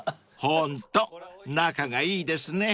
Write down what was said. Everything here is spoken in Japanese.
［ホント仲がいいですね］